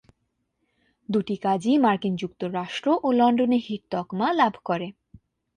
দুটি কাজই মার্কিন যুক্তরাষ্ট্র ও লন্ডনে হিট তকমা লাভ করে।